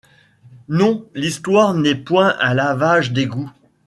Non, l'histoire n'est point un lavage d'égout.